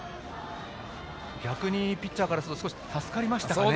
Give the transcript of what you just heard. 逆にピッチャーからすると少し助かりましたかね。